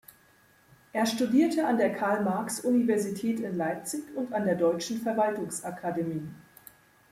Er studierte an der Karl-Marx-Universität in Leipzig und an der Deutschen Verwaltungsakademie.